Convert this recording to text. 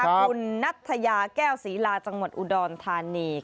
คุณนัทยาแก้วศรีลาจังหวัดอุดรธานี